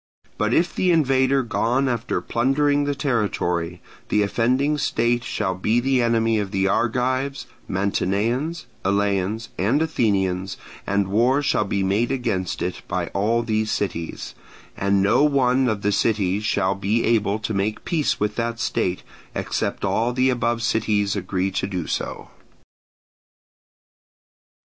But if the invader be gone after plundering the territory, the offending state shall be the enemy of the Argives, Mantineans, Eleans, and Athenians, and war shall be made against it by all these cities: and no one of the cities shall be able to make peace with that state, except all the above cities agree to do so.